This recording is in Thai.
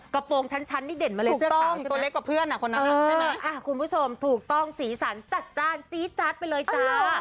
กระโปรงช้านดทนิซี่สี่น้อยพี่ผวงชั้นขึ้นตัวเล่นกับเพื่อนคุณผู้ชมถูกต้องสีสันจัดจ้านจี้จัดไปเลยจ้า